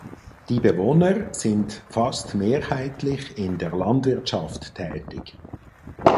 Die Bewohner sind fast mehrheitlich in der Landwirtschaft tätig.